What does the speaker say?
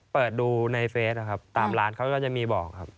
เปิดดูในเฟสนะครับตามร้านเขาก็จะมีบอกครับ